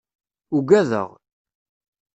Uggadeɣ.